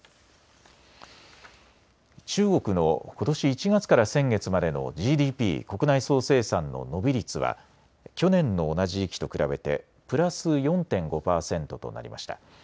中国のことし１月から先月までのＧＤＰ・国内総生産の伸び率は去年の同じ時期と比べてプラス４．５％となりました。